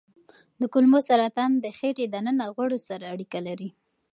د کولمو سرطان د خېټې دننه غوړو سره اړیکه لري.